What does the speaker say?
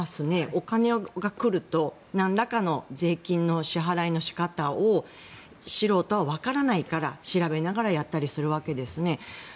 お金が来るとなんらかの税金の支払いの仕方を素人はわからないから調べながらやったりするわけです。